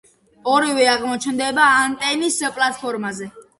ორივე აღმოჩნდება ანტენის პლატფორმაზე.